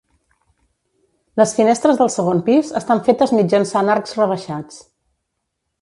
Les finestres del segon pis estan fetes mitjançant arcs rebaixats.